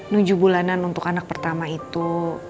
tujuh bulanan untuk anak pertama itu